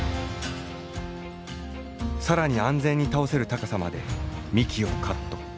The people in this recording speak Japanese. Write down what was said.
更に安全に倒せる高さまで幹をカット。